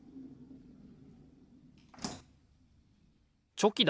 チョキだ。